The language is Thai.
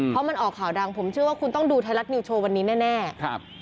เพราะมันออกข่าวดังผมเชื่อว่าคุณต้องดูไทยรัฐนิวโชว์วันนี้แน่แน่ครับ